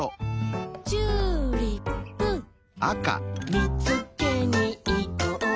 「見つけに行こう」